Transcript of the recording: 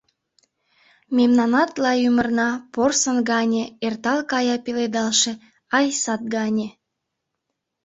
Мемнанат-лай ӱмырна порсын гане эртал кая пеледалше, ай, сад гане.